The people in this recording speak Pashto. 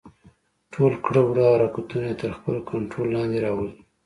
ټول کړه وړه او حرکتونه يې تر خپل کنټرول لاندې راولي.